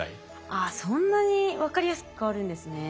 あそんなに分かりやすく変わるんですね。